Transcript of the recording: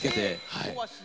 はい。